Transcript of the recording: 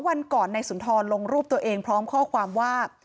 วันก่อนนายสุนทรลงรูปตัวเองพร้อมข้อความว่า